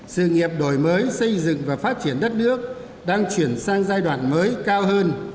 sự nghiệp đổi mới xây dựng và phát triển đất nước đang chuyển sang giai đoạn mới cao hơn